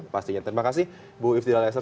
pastinya terima kasih bu iftidhal yasar